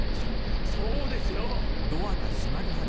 そそうですよ！